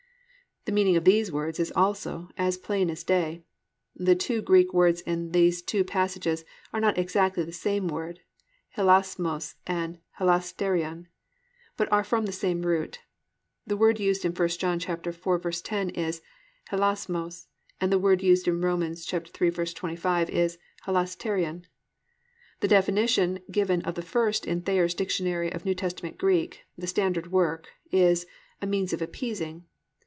"+ The meaning of these words also is as plain as day. The two Greek words in these two passages are not exactly the same words (hilasmos and hilasterion) but are from the same root. The word used in 1 John 4:10 is hilasmos and the word used in Rom. 3:25 is hilasterion. The definition given of the first in Thayer's Dictionary of New Testament Greek, the standard work, is "a means of appeasing."